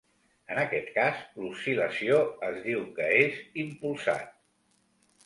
En aquest cas, l'oscil·lació es diu que és "impulsat".